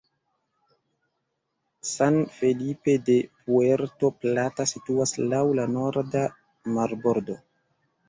San Felipe de Puerto Plata situas laŭ la norda marbordo.